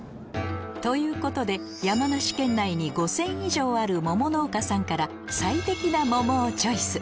ということで山梨県内に５０００以上ある桃農家さんからレア度３。